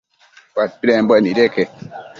Padpidembuec nideque